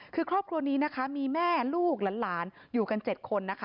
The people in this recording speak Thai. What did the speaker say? คือครอบครัวนี้นะคะมีแม่ลูกหลานอยู่กัน๗คนนะคะ